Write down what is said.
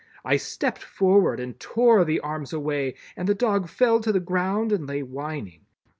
I stepped forward and tore the arms away, and the dog fell to the ground and lay whining.